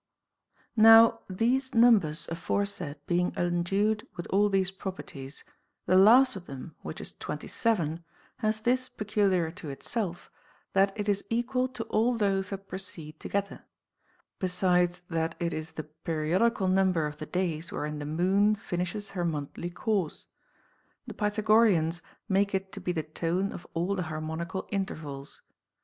14. Now these numbers aforesaid being endued with all these properties, the last of them, which is 27, has this peculiar to itself, that it is equal to all those that precede together ; besides, that it is the periodical number of the days wherein the moon finishes her monthly course ; the Pythagoreans make it to be the tone of all the harmonical intervals.